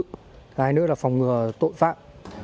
cái này nữa là phòng ngừa tội phạm